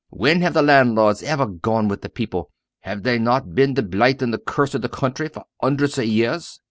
When have the landlords ever gone with the people? Have they not been the blight and the curse of the country for hun'erds of years?